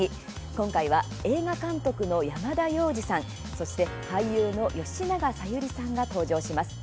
今回は、映画監督の山田洋次さんそして、俳優の吉永小百合さんが登場します。